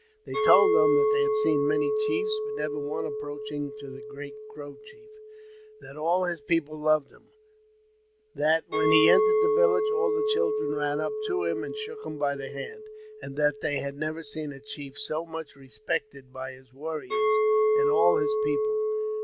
They told them they had seen many chiefs, but never one approaching to the great Crow chief ; that all his people loved him ; that when he entered the village, all the children ran up to him, and shook him by the hand ; and that they had never seen a chief so much respected by his warriors and all his people.